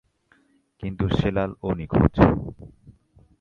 কিন্তু সেলাল-ও নিখোঁজ।